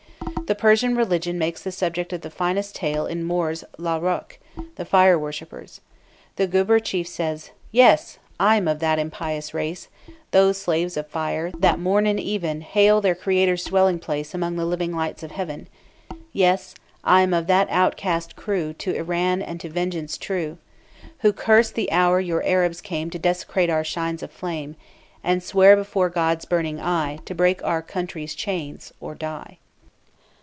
The Persian religion makes the subject of the finest tale in Moore's "Lalla Rookh," the "Fire Worshippers." The Gueber chief says, "Yes! I am of that impious race, Those slaves of Fire, that morn and even Hail their creator's dwelling place Among the living lights of heaven; Yes! I am of that outcast crew To Iran and to vengeance true, Who curse the hour your Arabs came To desecrate our shrines of flame, And swear before God's burning eye, To break our country's chains or die."